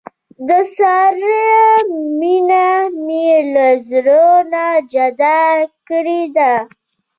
د سارې مینه مې له زړه نه جدا کړې ده.